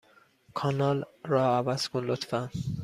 کانال را عوض کن، لطفا.